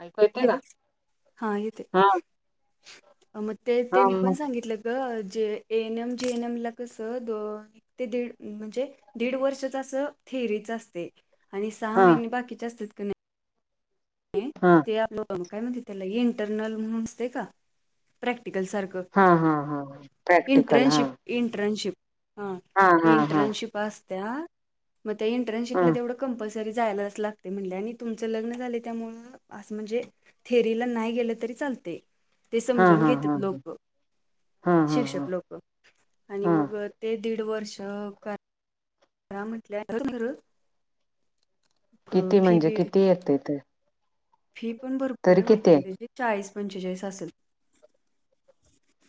ऐकू येतंय का? हॅलो हा येते मग ते हा त्यांनी पण मग सांगितलं का जे ए एनएम जी एनएम ला कसं दोन ते म्हणजे दड वर्ष थिरीच असते आणि सहा हा महिने बाकीच्या असत हा का म्ह इंटरल म्हण का प्रॅक्टिकल सार हा हा हा प्रॅक्टिकल हा. इंटर्नशिप हा हा हा इंटर्नशिप असत्या मग त्या हा हा इंटर्नशिपला तेवढं. कंपसरीयला ला आणि लग झा. त्यामु असं म्हणजे थेअरीला नाही गेलं तरी चालते. ते हा समजून हा घेतात हा लोक हा हा शिक्षक लोक आणि हा मग ते दीड वर्ष का म्हटल्यायरर. किती म्हणजे बी किती येत ते फी पण भरपूर तरी आहे पडत किती की त्याची चाळीस पंचेचाळीस असेल.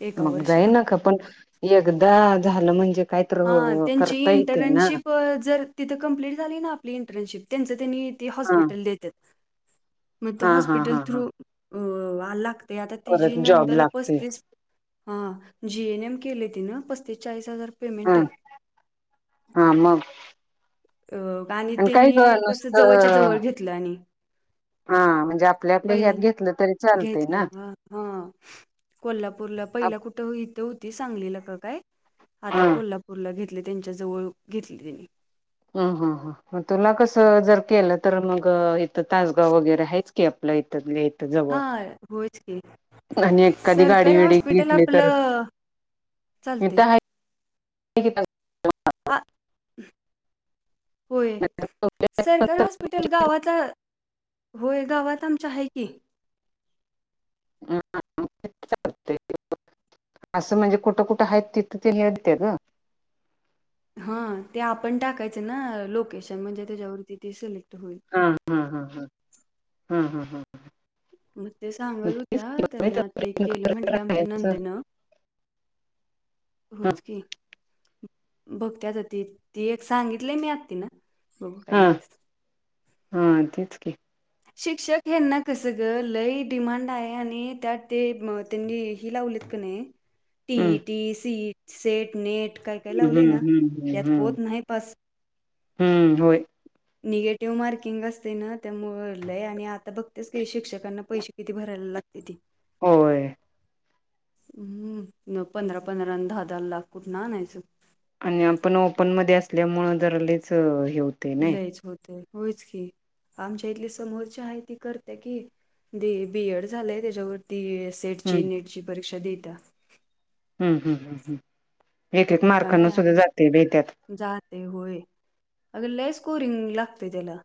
एका मग जाई वर्षाला नका पण एकदा झालं म्हणजे काय तर हा त्यांची करता येतंय ना इंटर्नशिप जर तिथं कम्प्लीट झाली ना आपली इंटर्नशिप त्यांचं त्यांनी ते हा हॉस्पिटल देतात. मग त्या हा हा हॉस्पिटल हा हा थ्रू अ लागते आता त जी परत जॉब नंदाला लागतोय पस्तीस हा जीएन एम केले ति ना पस्तीस चाळीस हजार. हा पेमेंट आहे हा मग अ आणि काय त्यांनी ग कस जवळच्या नुसतं जवळ घेतलं आणि हा म्हणजे आपल्या आपल्या ह्यात पहिल्या घेतलं तरी चालत ना. घेतलं हा हा कोल्हापूरला पहिला कुठं इथं होती सांगलीलं का काय? आता हा कोल्हापूरला घेतले त्यांच्या जवळ घेतले त्यांनी ह हा हा. मग तुला कस जर केलं तर मग इथं तासगाव वगैरे आहेच की आपल्या इथ. हा होयच क. आणि एखादी गाडी विडी घेतले तर आपलं तर चालते आहे. [unintelligible] ह. होय सरकारी हॉस्पिटल गावचा. होय गवात आमच्या आहे की असं म्हणजे कुठं कुठं आहेत तिथं ते हे अते ग. हा ते आपण टाकायचं ना लोकेशन म्हणजे त्याच्यावरती ते सिलेक्ट होईल. हा हा हा हा हा हा हा. मग ते मग सांगत तेच होत्या की बघायचा त्यांना ते प्रयत्न केलं म्हटलं आमच्या करायचा नंदेनं. ह होच की बघतच त ती एक सांगितलीय मी आ ती ना. बघ काय हा म्हणत. हा तेीच के शिक्षक हेना कस ग लय डिमांड आहे आणि त्यात ते त्यांनी ह लावलेत का नाही. टी हम्म टी सी सेट नेट. काय काय लावले हम्म ना हम्म त्यात हम्म पत नाही पास. हम्म होय निगेटिव्ह मार्किंग असते ना त्यामुळ. आणि आता बघतेच का शिक्षकांना पैसे किती भरायला लागते ते होय. हम्म पंधरा पंधरा दहा दहा ला कुठून आणायचं. आणि आपण ओपन मध्ये असल्यामुं जर लच हे होत. लयच होतय होयच की आमच्या इथली समोरच्या आहे ती करते की दे बीएड झालंय त्याच्यावरती एस हम्म एडची नेट ची परीक्षा देता. हम्म हम् हम् हम एक एक पण काय मार्कना नाही सुद्धा जाते बइ त्यात. जाते होय अगर लय स्कोरिंग लागते त्याला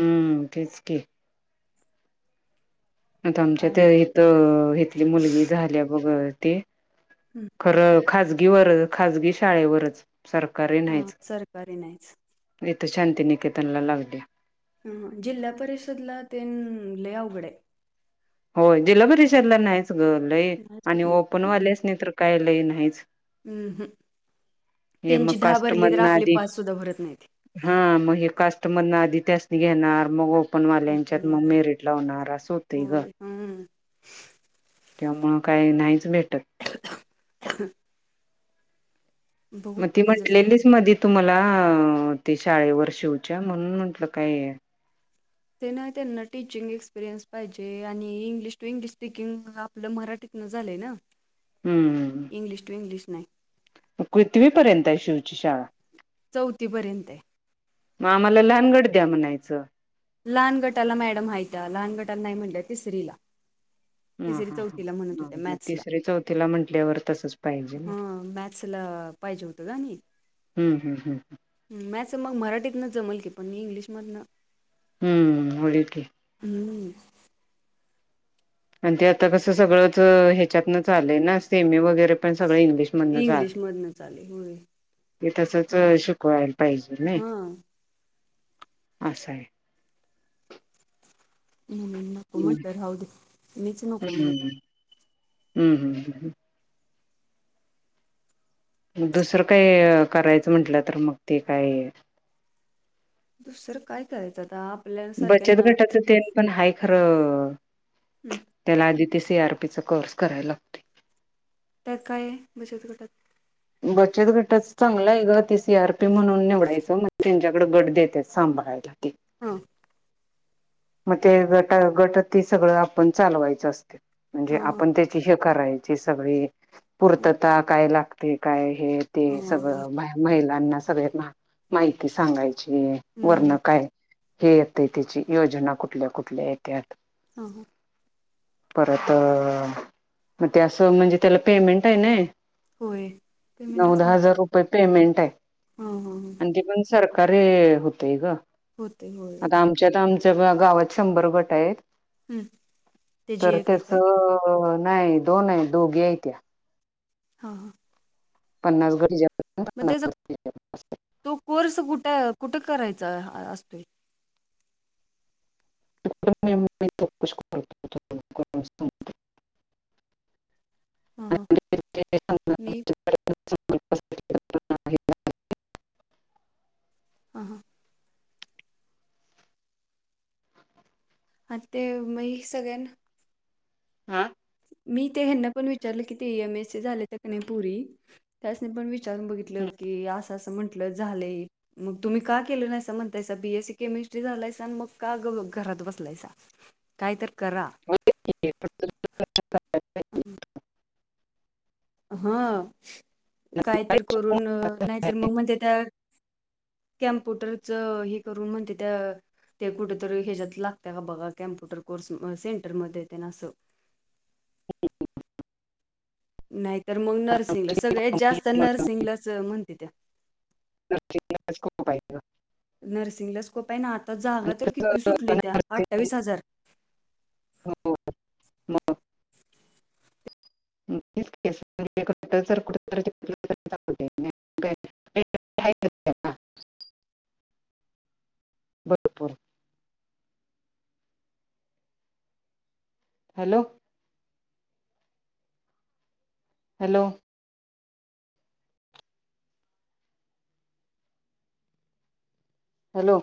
हम्म तेच क आता आणि आमच्या इथ इथली मुलगी झाल्या बघ त हं, खरं. खजगीवर खजगी शाळेवरच सरकारे हा नाहीच. सरकारी नाहीच इथ शांतीनिकेतनला लागले. जिल्हा परिषदला तेन लय अवघड आहे. हो जिल्हा परिषदला नाहीच ग लयी. नाहीच आणि होत ना ओपनवाल्यासनी तर काय लयी नाहीच. उम्म हम्म हे मग त्यांची दहा कास्ट भरली तर मधन आपले आधी पाच सुद्धा भरत नाहीत. हा मग हे कास्टमर ना आधी त्यासनी घेणार. मग आपणवाल्यांच्यात मग ओपनवाले मेरिट लावणार मग अस होतय हो ग. होय हम्म त्यामुळ काही नाहीच भेटत. [inaudible] बघू मग ती त्याच म्हटलेलीच मधी तुम्हाला. अ ते शाळेवर शिवच्या म्हणून म्हटल काय तेना त्यांना टीचिंग एक्सपिरियन्स पाहिजे. आणि इंग्लिश टू इंग्लिश स्पीकिंग आपल मराठीतन झालय ना. हम्म इंग्लीश टू इंग्लीश नाही. कीतवीपर्यंत आहे शिवची शाळा. चौथीपर्यंत आहे. मग आम्हाला लहान गट द्या म्हणायच. लहान गटाला मॅडम हायत्या. लहान गटाला नाही म्हणल तिसरीला. ह तिसरी हा हा चौथीला म्हणत ह होत्या मग मॅथ्सला. तिसरी चौथीला म्हंटल्यावर तसच पाहिजे मग हा मॅथ्सला पाहिजे होतं का नाही. हम्म हम्म हम्म मॅथ्स मग मराठीतन जमल की. पण इंग्लिशमधन हम्म हम्म आणि ते आता कस सगळच ह्याच्यातन झालेय ना. सेमी वगैरे पण सगळ इंग्लिश इंग्लिश मधन चालु आहे. होय. ते तसच शिकवायला पाहिजे नाही. हा अस आहे. ह नको हम्म म्हटल राहू दे. मीच नको म्हटल. हम्म हम्म हम्म मग दुसर काही करायच म्हटल तर मग ते काय दुसर काय करायच आता. आप बचत गटाच तेन पण आहे खर. हम्म त्याला आधी ते सी आर पीचा कोर्स करायला लाव. त्यात काय आहे. बचत गटात. बचत गटच चांगल आहे ग. ते सी आर पी म्हणून निवडायच. म्हणजे त्यांच्याकड गट देत्यात सांभाळायला ते. हा मग ते गट गट ते सगळ आपण चालवायचे असत्यात. म्हणजे हा हा आपण ते हे करायचे सगळी. ह पूर्तता काय लागते. काय हे ते ह सगळ. ह महिलांना सगळी माहिती सांगायची. वरण काय हे येत त्याची. योजना कुठल्या कुठल्या येत्यात. [unintelligible] परत मग ते अस म्हणजे त्याला पेमेंट आहे ना. होय पेमेंट नव्वद असणार हजार रुपये पेमेंट आहे. ह ह आणि त पण सरकारी होतेय ग‌. होते होय. याच्यात आमच्या गावात शंभर गट आहेत. हं, ते जी तर ए काय त्याच काय अ नाही दोन आहे. दोघी आहे त्या. हा हा पन्नास गटच्या मग त्याचा तो कोर्स कुठे कुठे करायचा असतोय. मच [unintelligible] हा हा मी. [inaudible] हां हां. हा ते मी सगळ्याना मी ते हेंना पण विचारलं की ते एम एस ए झाल्यात्या की पोरी. त्यासनी पण विचारून बघितलं की असं असं म्हंटलं झालंय. मग तुम्ही का केले नाही म्हणतायचा बी एस सी केमिस्ट्री झालायसा आणि मग का घरात बसलायसा. काही तर करा. ह हा.. काय तर करून नाहीतर मग म्हणत्या कॅम्प्युटरच हे करून म्हणते त्या ते कुठेतरी ह्याच्यात लागतं का बघा कॅम्प्युटर कोर्स सेंटरमध्ये ते ना असं ह [unintelligible] नाहीतर मग नर्सिंगला सगळ्यात जास्त नर्सिंगलाच म्हणते त्या नर्सिंग ला स्कोप आहे का. नर्सिंगला स्कोप आहे ना, आता जागा तर किती सुटल्यात्या अठ्ठावीस हजार. [unintelligible] भरपूर हॅलो! हॅलो! हॅलो!